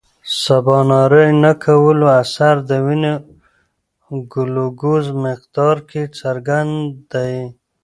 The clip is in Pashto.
د سباناري نه کولو اثر د وینې ګلوکوز مقدار کې څرګند دی.